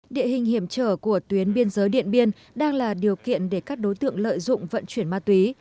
địa hình hiểm trở của tuyến biên giới điện biên đang là điều kiện để các đối tượng lợi dụng vận chuyển ma túy